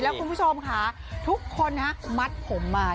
คุณผู้ชมค่ะทุกคนมัดผมมา